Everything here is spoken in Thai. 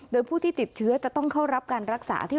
โดยผู้ที่ติดเชื้อจะต้องเข้ารับการรักษาที่